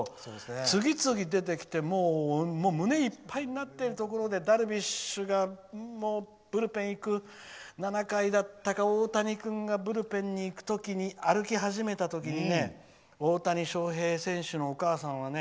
次々出てきて胸いっぱいになってるところでダルビッシュがブルペンに行く７回だったか大谷君がブルペンに行く時に歩き始めた時に大谷翔平選手のお母さんはね。